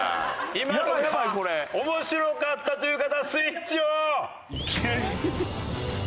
今のが面白かったという方スイッチオン！